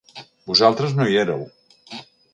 Vosaltres no hi éreu.